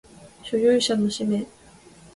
所有者の氏名